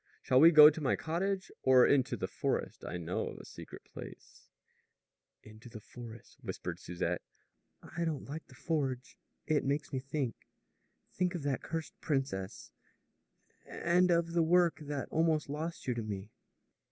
Shall we go to my cottage or into the forest? I know of a secret place " "Into the forest," whispered Susette. "I don't like the forge. It makes me think think of that cursed princess and of the work that almost lost you to me."